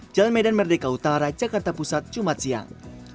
jalan medan merdeka utara jakarta pusat jumat siang